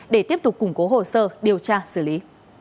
để tiếp tục củng cố hồ sơ điều tra xử lý